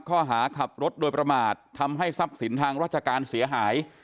ข้อหาขับรถโดยประมาททำให้ทรัพย์สินทางราชการเสียหาย